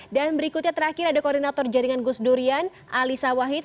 dan berikutnya terakhir ada koordinator jaringan gus durian alisa wahid